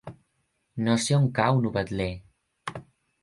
No sé on cau Novetlè.